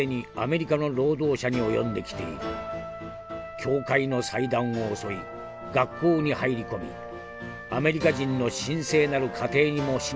教会の祭壇を襲い学校に入り込みアメリカ人の神聖なる家庭にも忍び込もうとしている。